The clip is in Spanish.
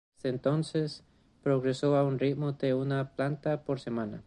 Desde entonces, progresó a un ritmo de una planta por semana.